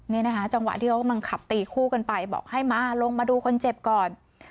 นี่นะคะจังหวะที่เขากำลังขับตีคู่กันไปบอกให้มาลงมาดูคนเจ็บก่อน